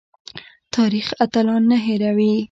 تاریخ اتلان نه هیروي